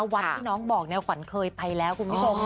วัดที่น้องบอกแนวฝันเคยไปแล้วคุณผู้ชมค่ะ